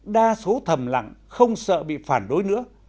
đa số thầm lặng không sợ bị phản đối nữa